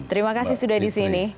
terima kasih sudah di sini